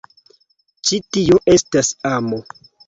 Ĉi tio estas amo.